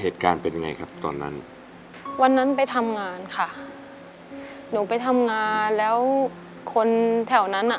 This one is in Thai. เหตุการณ์เป็นยังไงครับตอนนั้นวันนั้นไปทำงานค่ะหนูไปทำงานแล้วคนแถวนั้นอ่ะ